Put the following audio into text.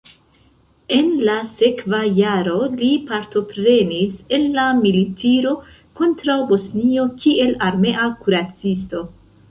En la sekva jaro li partoprenis en la militiro kontraŭ Bosnio kiel armea kuracisto.